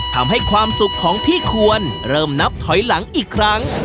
ทำให้ความสุขของพี่ควรเริ่มนับถอยหลังอีกครั้ง